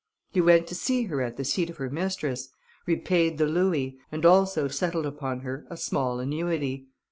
He went to see her at the seat of her mistress, repaid the louis, and also settled upon her a small annuity.